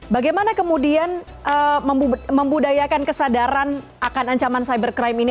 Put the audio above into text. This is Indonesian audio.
bagaimana kemudian membudayakan kesadaran akan ancaman cyber crime ini